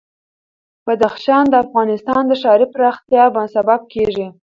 بدخشان د افغانستان د ښاري پراختیا سبب کېږي.